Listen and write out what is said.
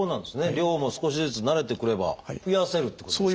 量も少しずつ慣れてくれば増やせるっていうことですか？